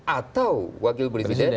atau wakil presiden